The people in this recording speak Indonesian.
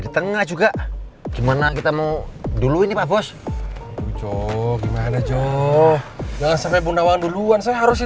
di tengah juga gimana kita mau dulu ini pak bos gimana jangan sampai bunda wang duluan saya harus